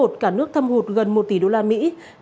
cả nước thâm hụt gần một tỷ đô la mỹ